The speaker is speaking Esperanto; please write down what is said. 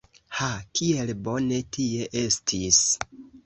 Ha, kiel bone tie estis!